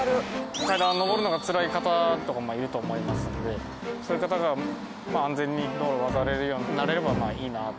階段を上るのがつらい方とかもいると思いますのでそういう方が安全に道路を渡れるようになればいいなと。